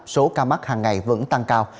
số ca mắc hàng ngày vẫn tăng cao